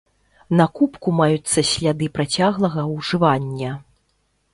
На кубку маюцца сляды працяглага ўжывання.